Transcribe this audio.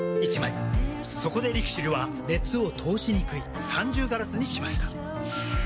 そこでＬＩＸＩＬは熱を通しにくい三重ガラスにしました。